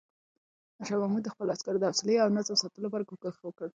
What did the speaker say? شاه محمود د خپلو عسکرو د حوصلې او نظم ساتلو لپاره کوښښ وکړ.